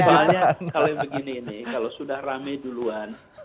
soalnya kalau yang begini ini kalau sudah rame duluan